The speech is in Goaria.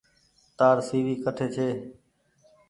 تآر سي وي ڪٺ ڇي۔